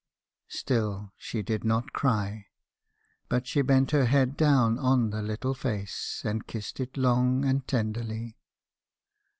" Still she did not cry. But she bent her head down on the little face, and kissed it long, and tenderly.